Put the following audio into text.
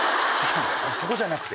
そこじゃなくて！